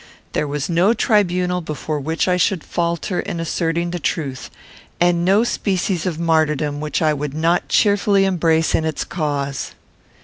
There was no tribunal before which I should falter in asserting the truth, and no species of martyrdom which I would not cheerfully embrace in its cause.